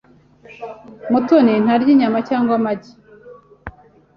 Mutoni ntarya inyama cyangwa amagi.